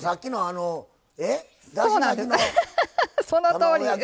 そのとおり。